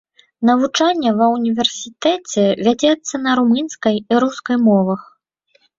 Навучанне ва ўніверсітэце вядзецца на румынскай і рускай мовах.